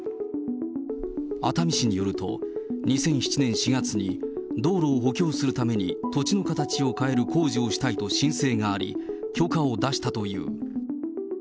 熱海市によると、２００７年４月に、道路を補強するために土地の形を変える工事をしたいと申請があり、許可を出したという。